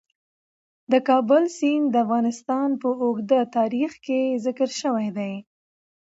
د کابل سیند د افغانستان په اوږده تاریخ کې ذکر شوی دی.